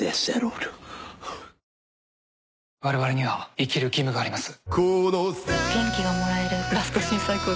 「われわれには生きる義務があります」